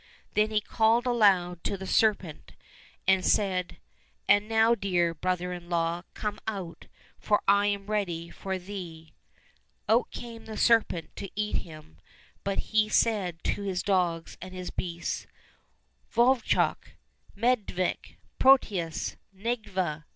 " Then he called aloud to the serpent and said, " And now, dear brother in law, come out, for I am ready for thee !" Out came the serpent to eat him, but he said to his dogs and his beasts, " Vovchok ! Medvedik ! Protius ! Nedviga